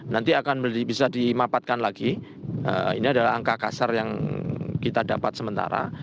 nanti akan bisa dimapatkan lagi ini adalah angka kasar yang kita dapat sementara